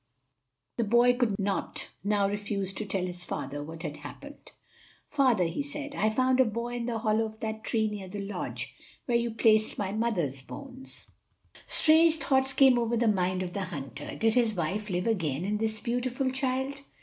The boy could not now refuse to tell his father what had happened. "Father," he said, "I found a boy in the hollow of that tree near the lodge, where you placed my mother's bones." Strange thoughts came over the mind of the hunter; did his wife live again in this beautiful child?